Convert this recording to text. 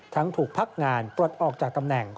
ถูกพักงานปลดออกจากตำแหน่ง